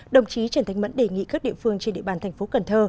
đồng chí trần thánh mẫn đề nghị các địa phương trên địa bàn tp cn